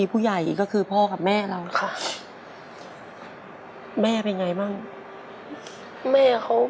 พี่ก็ต้องเป็นภาระของน้องของแม่อีกอย่างหนึ่ง